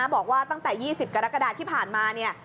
บอกว่าตั้งแต่๒๐กรกฎาที่ผ่านมาเนี่ย